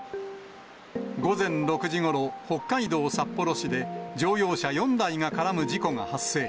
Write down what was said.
午前６時ごろ、北海道札幌市で乗用車４台が絡む事故が発生。